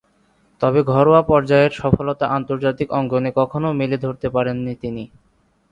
তবে, ঘরোয়া পর্যায়ের সফলতা আন্তর্জাতিক অঙ্গনে কখনো মেলে ধরতে পারেননি তিনি।